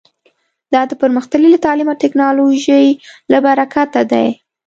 دا د پرمختللي تعلیم او ټکنالوژۍ له برکته دی